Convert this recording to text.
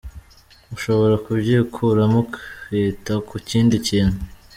Ushobora kubyikuramo, ukita ku kindi kintu.